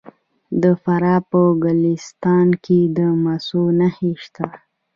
د فراه په ګلستان کې د مسو نښې شته.